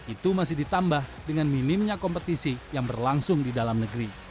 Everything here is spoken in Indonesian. itu masih ditambah dengan minimnya kompetisi yang berlangsung di dalam negeri